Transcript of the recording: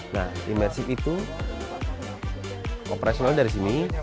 nah imersif itu operasionalnya dari sini